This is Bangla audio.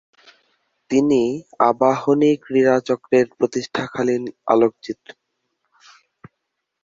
তিনি আবাহনী ক্রীড়া চক্রের প্রতিষ্ঠাকালীন আলোকচিত্রী।